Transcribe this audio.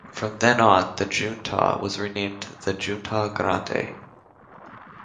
From then on, the Junta was renamed the "Junta Grande".